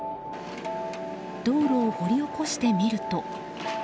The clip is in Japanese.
道路を掘り起こしてみると。